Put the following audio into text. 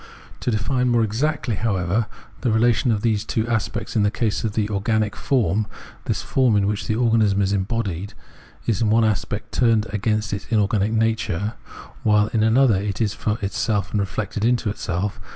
To define more exactly, however, the relation of these two aspects in the case of the organic form, this form, in which the organism is embodied, is in one aspect turned against inorganic nature, while in an other it is for itself and reflected into itself.